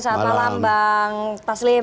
selamat malam bang taslim